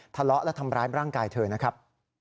ทะเลาะและทำร้ายร่างกายเธอนะครับ